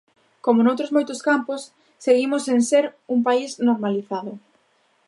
Como noutros moitos campos, seguimos sen ser un país normalizado.